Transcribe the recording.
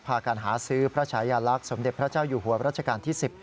พากันหาซื้อพระชายาลักษณ์สมเด็จพระเจ้าอยู่หัวรัชกาลที่๑๐